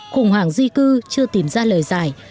khủng hoảng di cư chưa tìm ra lời giải